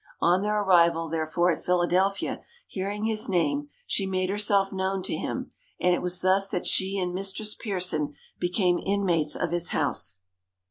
On their arrival, therefore, at Philadelphia, hearing his name, she made herself known to him, and it was thus that she and Mistress Pearson became inmates of his house.